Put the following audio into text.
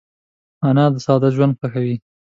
انا د ساده ژوند خوښوي